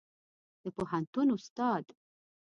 د پوهنتون استاد